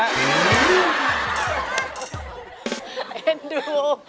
เอ็นดู